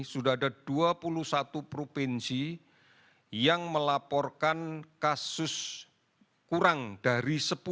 sudah ada dua puluh satu provinsi yang melaporkan kasus kurang dari sepuluh